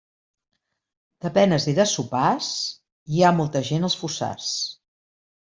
De penes i de sopars, hi ha molta gent als fossars.